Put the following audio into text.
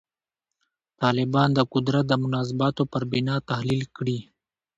طالبان د قدرت د مناسباتو پر بنا تحلیل کړي.